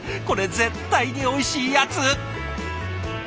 これ絶対においしいやつ！